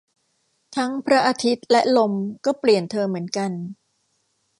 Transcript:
ทั้งพระอาทิตย์และลมก็เปลี่ยนเธอเหมือนกัน